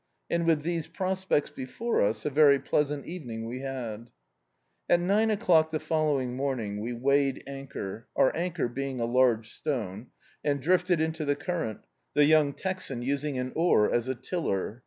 And with these prospects before us, a very pleasant evening we had. At nine o'clock the following morning, we weighed anchor — our anchor being a large stone — and drifted into the current, the young Texan using an oar as a tiller.